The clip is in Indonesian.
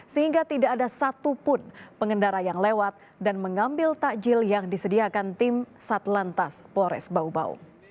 sehingga tidak ada satupun pengendara yang lewat dan mengambil takjil yang disediakan tim satlantas polres bau bau